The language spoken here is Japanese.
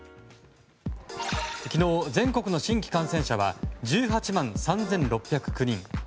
昨日、全国の新規感染者は１８万３６０９人。